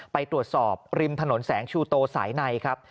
ไปตรวจสอบริมถนนแสงชูโตสายในครับ